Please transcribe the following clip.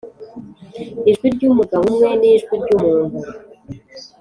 ijwi ryumugabo umwe nijwi ryumuntu.